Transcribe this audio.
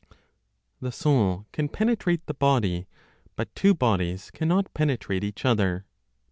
THE SOUL CAN PENETRATE THE BODY; BUT TWO BODIES CANNOT PENETRATE EACH OTHER.